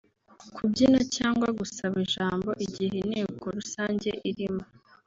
kubyina cyangwa gusaba ijambo igihe Inteko rusange irimo